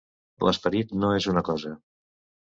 L'esperit no és una cosa.